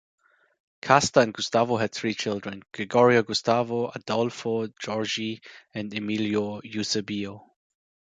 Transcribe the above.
Casta and Gustavo had three children: Gregorio Gustavo Adolfo, Jorge, and Emilio Eusebio.